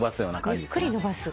ゆっくり伸ばす？